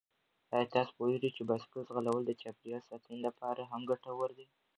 آیا تاسو پوهېږئ چې بايسکل ځغلول د چاپېریال ساتنې لپاره هم ګټور دي؟